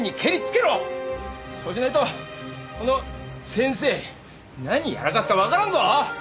そうしないとこの先生何やらかすかわからんぞ！